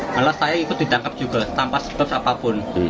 malah saya ikut ditangkap juga tanpa sebab apapun